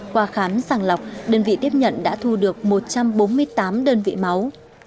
qua khám sàng lọc đơn vị tiếp nhận đã thu được một trăm bốn mươi tám đơn vị máu